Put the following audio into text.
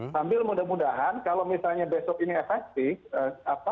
sambil mudah mudahan kalau misalnya besok ini efektif